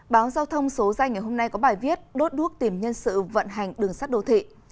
báo giao thông số danh ngày hôm nay có bài viết đốt đuốc tìm nhân sự vận hành đường sắt đô thị